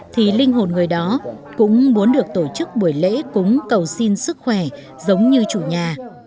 thì linh hồn người đó cũng muốn được tổ chức buổi lễ cúng cầu xin sức khỏe giống như chủ nhà